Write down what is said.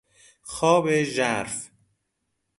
خواب ژرف